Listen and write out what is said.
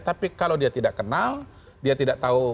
tapi kalau dia tidak kenal dia tidak tahu